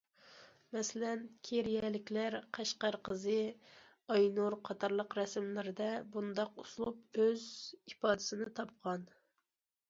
مەسىلەن‹‹ كېرىيەلىكلەر››،‹‹ قەشقەر قىزى››،‹‹ ئاينۇر›› قاتارلىق رەسىملىرىدە بۇنداق ئۇسلۇب ئۆز ئىپادىسىنى تاپقان.